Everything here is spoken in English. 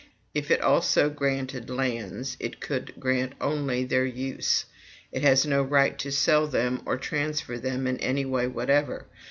If it also granted lands, it could grant only their use; it has no right to sell them or transfer them in any way whatever.